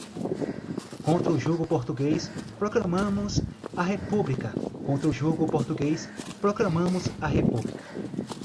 contra o jugo português, proclamamos a República, contra o jugo português, proclamamos a República